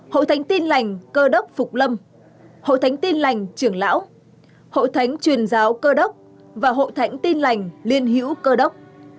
hội thánh tin lành cơ đốc phục lâm hội thánh tin lành trưởng lão hội thánh truyền giáo cơ đốc và hội thánh tin lành liên hữu cơ đốc